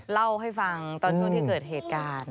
เล่าให้ฟังตอนช่วงที่เกิดเหตุการณ์